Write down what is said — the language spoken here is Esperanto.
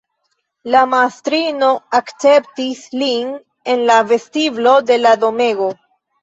La mastrino akceptis lin en la vestiblo de la domego.